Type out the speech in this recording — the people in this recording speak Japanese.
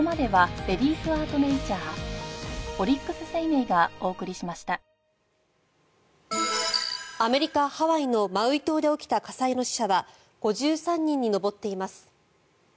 安全第一で疲れないようにアメリカ・ハワイのマウイ島で起きた火災の死者は５３人に上っています。